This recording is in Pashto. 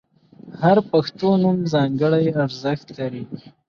• هر پښتو نوم ځانګړی ارزښت لري.